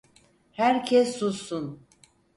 Herkes sussun!